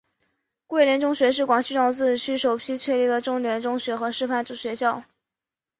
桂林中学是广西壮族自治区首批确定的重点中学和示范学校。